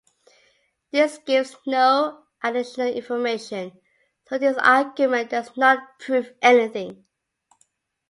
This gives no additional information, so this argument does not prove anything.